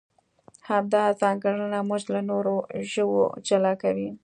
همدا ځانګړنه موږ له نورو ژوو جلا کوي.